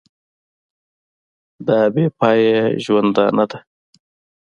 دا بې پایه ژوندانه ده.